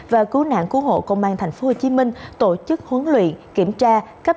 và cứu nạn cứu hộ công an tp hcm tổ chức huấn luyện kiểm tra